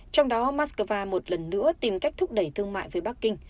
trong đó moscow một lần nữa tìm cách thúc đẩy thương mại với bắc kinh